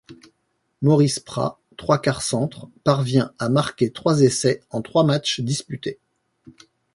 Maurice Prat, trois-quarts centre, parvient à marquer trois essais en trois matchs disputés.